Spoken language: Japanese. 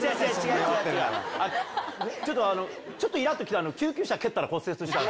ちょっとイラっと来て救急車蹴ったら骨折したの。